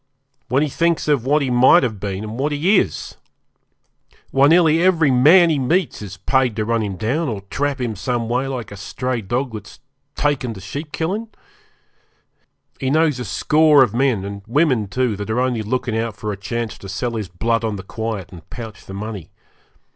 When he thinks of what he might have been, and what he is! Why, nearly every man he meets is paid to run him down, or trap him some way like a stray dog that's taken to sheep killin'. He knows a score of men, and women too, that are only looking out for a chance to sell his blood on the quiet and pouch the money.